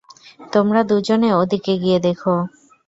তোমরা দুজনে ওদিকে গিয়ে দেখো।